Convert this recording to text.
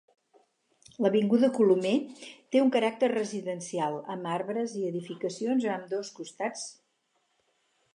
L'avinguda Colomer té un caràcter residencial, amb arbres i edificacions a ambdós costats.